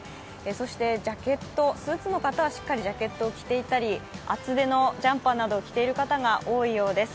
そして、ジャケットスーツの方はしっかりジャケットを着ていたり厚手のジャンパーなどを着ている方が多いようです。